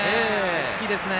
大きいですね。